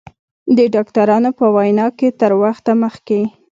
د ډاکترانو په وینا که تر وخته مخکې